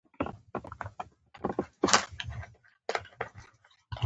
سیندونه د افغانستان د امنیت په اړه هم اغېز لري.